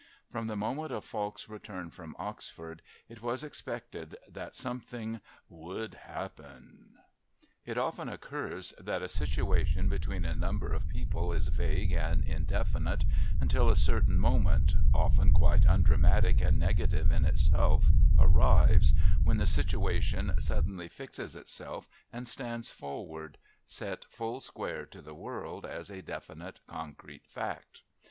From the moment of Falk's return from Oxford it was expected that something "would happen." It often occurs that a situation between a number of people is vague and indefinite, until a certain moment, often quite undramatic and negative in itself, arrives, when the situation suddenly fixes itself and stands forward, set full square to the world, as a definite concrete fact.